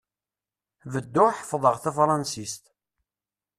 Bedduɣ ḥefḍeɣ tafṛansist.